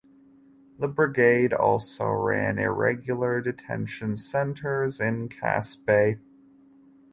The brigade also ran irregular detention centers in Caspe.